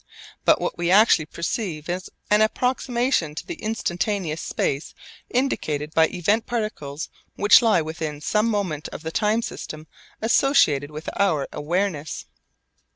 But what we actually perceive is an approximation to the instantaneous space indicated by event particles which lie within some moment of the time system associated with our awareness.